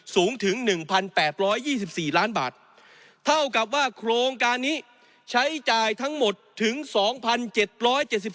สูงถึง๑๘๒๔ล้านบาทเท่ากับว่าโครงการนี้ใช้จ่ายทั้งหมดถึง๒๗๗